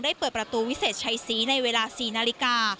เปิดประตูวิเศษชัยศรีในเวลา๔นาฬิกา